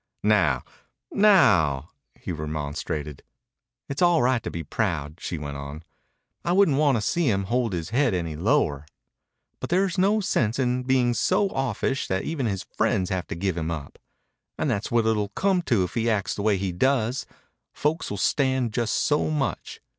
"Now now," he remonstrated. "It's all right to be proud," she went on. "I wouldn't want to see him hold his head any lower. But there's no sense in being so offish that even his friends have to give him up. And that's what it'll come to if he acts the way he does. Folks will stand just so much.